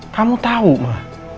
kamu tahu ma